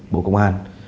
bộ công an